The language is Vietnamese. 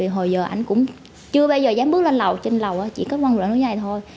hồi giờ anh cũng chưa bao giờ dám bước lên lầu trên lầu chỉ có ngăn rỡ như thế này thôi